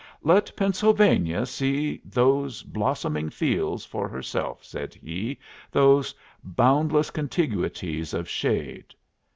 "Let Pennsylvania see those blossoming fields for herself," said he, "those boundless contiguities of shade."